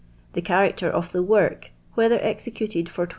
The character of the work, whether executed for 12*.